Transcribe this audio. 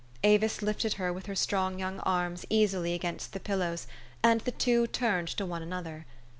Avis lifted her with her strong young arms easily against the pillows, and the two turned to one another.